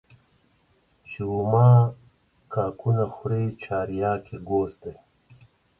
چي اومه کاکونه خوري چارياک يې گوز دى.